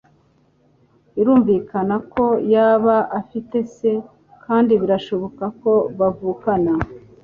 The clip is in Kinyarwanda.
Birumvikana ko yaba afite se, kandi birashoboka ko bavukana.